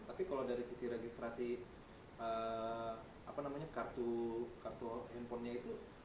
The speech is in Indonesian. tapi kalau dari sisi registrasi kartu handphonenya itu